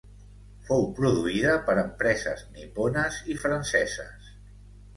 Fou produïda per empreses nipones i franceses.